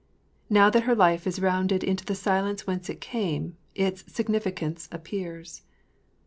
Now that her life is rounded into the silence whence it came, its significance appears.